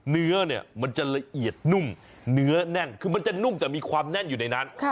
เนื้อเนี่ยมันจะละเอียดนุ่มเนื้อแน่นคือมันจะนุ่มแต่มีความแน่นอยู่ในนั้น